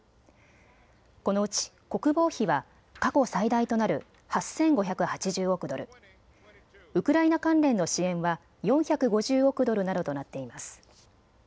このうち国防費は過去最大となる８５８０億ドル、ウクライナ関連の支援は４５０億ドルなどとなっています。